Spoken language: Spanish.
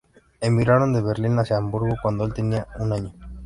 Emigraron de Berlín hacia Hamburgo cuando el tenía un año.